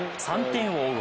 ３点を追う